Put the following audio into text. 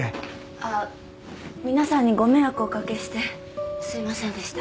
あっ皆さんにご迷惑をおかけしてすいませんでした。